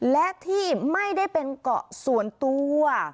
และที่ไม่ได้เป็นเกาะส่วนตัว